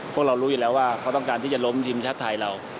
พวกเรารู้อยู่แล้วว่าเขาต้องการที่จะล้มทีมชาติไทยเรา